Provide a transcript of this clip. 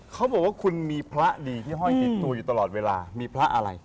เขาบอกว่าคุณมีพระดีที่ห้อยติดตัวอยู่ตลอดเวลามีพระอะไร